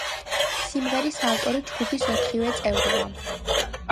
სიმღერის ავტორი ჯგუფის ოთხივე წევრია.